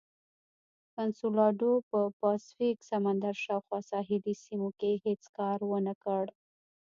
کنسولاډو په پاسفیک سمندر شاوخوا ساحلي سیمو کې هېڅ کار ونه کړ.